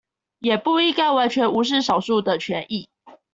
也不應該完全無視少數的權益